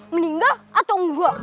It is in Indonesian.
meninggal atau engga